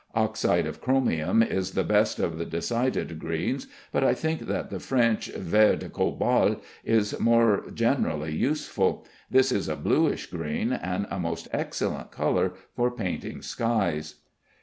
Oxide of chromium is the best of the decided greens, but I think that the French vert de Cobalt is more generally useful. This is a bluish green, and a most excellent color for painting skies.